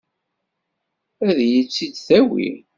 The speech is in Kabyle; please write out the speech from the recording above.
Ad iyi-tt-id-tawi?